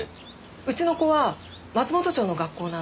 うちの子は松本町の学校なんで。